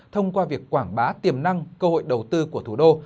thông qua việc quảng bá tiềm năng cơ hội đầu tư của thủ đô